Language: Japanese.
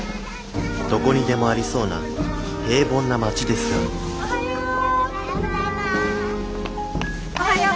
どこにでもありそうな平凡な町ですがおはよう。